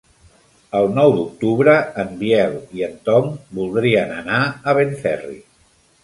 El nou d'octubre en Biel i en Tom voldrien anar a Benferri.